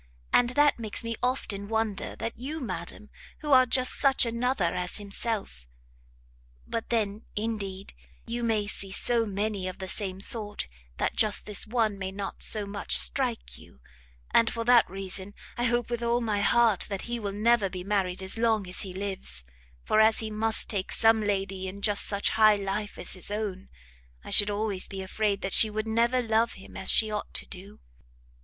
and that makes me often wonder that you, madam, who are just such another as himself but then, indeed, you may see so many of the same sort, that just this one may not so much strike you: and for that reason I hope with all my heart that he will never be married as long as he lives, for as he must take some lady in just such high life as his own, I should always be afraid that she would never love him as she ought to do!"